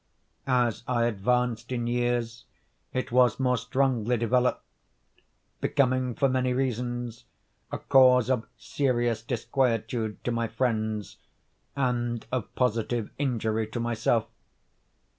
As I advanced in years it was more strongly developed; becoming, for many reasons, a cause of serious disquietude to my friends, and of positive injury to myself.